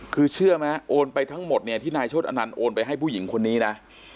คือเชื่อไหมโอนไปทั้งหมดเนี่ยที่นายโชธอนันต์โอนไปให้ผู้หญิงคนนี้นะ